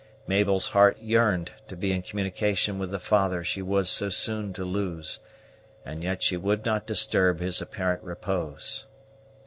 Mabel's heart yearned to be in communication with the father she was so soon to lose, and yet she would not disturb his apparent repose.